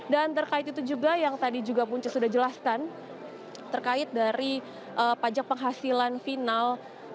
dan terkait itu juga yang tadi juga pun sudah jelaskan terkait dari pajak penghasilan final